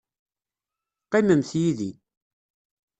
Qqimemt yid-i.